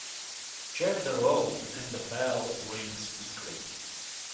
Jerk the rope and the bell rings weakly.